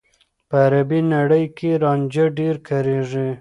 په عربي نړۍ کې رانجه ډېر کارېږي.